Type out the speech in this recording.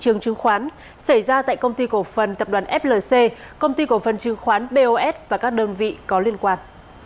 trường chứng khoán xảy ra tại công ty cổ phần tập đoàn flc công ty cổ phần chứng khoán bos và các đơn vị có liên quan